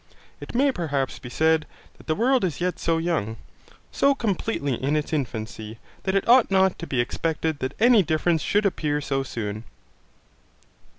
It may perhaps be said that the world is yet so young, so completely in its infancy, that it ought not to be expected that any difference should appear so soon.